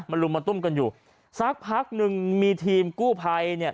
ลุมมาตุ้มกันอยู่สักพักหนึ่งมีทีมกู้ภัยเนี่ย